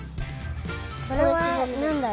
これはなんだろう？